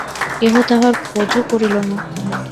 কেহ তাহার খোঁজও করিল না।